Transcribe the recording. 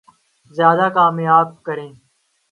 زیادہ کامیاب کریں